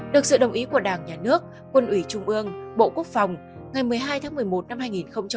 được sự đồng ý của đảng nhà nước quân ủy trung ương bộ quốc phòng ngày một mươi hai một mươi một hai nghìn một mươi ba